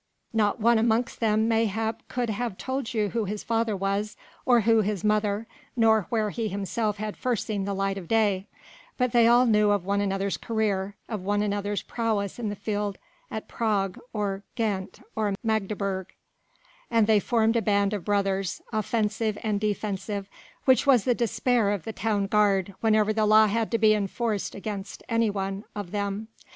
Not one amongst them mayhap could have told you who his father was or who his mother, nor where he himself had first seen the light of day; but they all knew of one another's career, of one another's prowess in the field at Prague or Ghent or Magdeburg, and they formed a band of brothers offensive and defensive which was the despair of the town guard whenever the law had to be enforced against anyone of them.